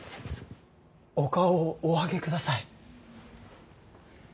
お顔をお上げください。